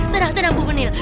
tenang tenang bu penil